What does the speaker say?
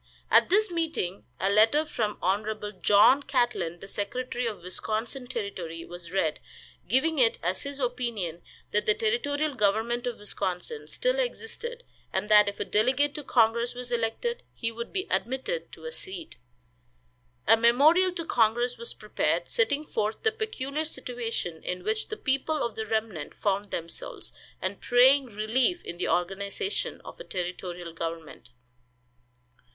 At this meeting a letter from Hon. John Catlin, the secretary of Wisconsin Territory, was read, giving it as his opinion that the territorial government of Wisconsin still existed, and that if a delegate to congress was elected he would be admitted to a seat. A memorial to congress was prepared, setting forth the peculiar situation in which the people of the remnant found themselves, and praying relief in the organization of a territorial government.